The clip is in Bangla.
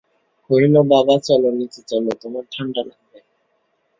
কহিল, বাবা, চলো, নীচে চলো, তোমার ঠাণ্ডা লাগবে।